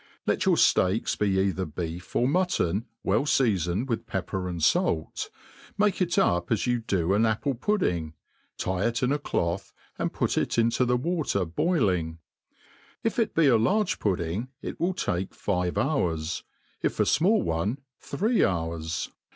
Let your fteaks be either beef or mutton, well feafoncd with pepper and fait, make it up as you do an apple pudding, tie it in a cloth, and put it into the water boil* ing. If it be a large pudding, it will take five hours; if a fmall one, three hours.